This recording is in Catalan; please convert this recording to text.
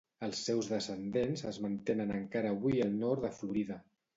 Els seus descendents es mantenen encara avui al nord de la Florida.